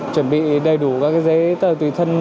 chuẩn bị đầy đủ các giấy tờ tùy thân